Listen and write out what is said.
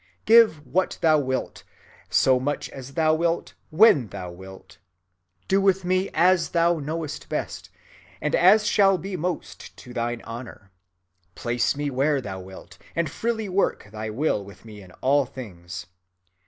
Give what thou wilt, so much as thou wilt, when thou wilt. Do with me as thou knowest best, and as shall be most to thine honour. Place me where thou wilt, and freely work thy will with me in all things....